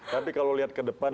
tapi kalau lihat ke depan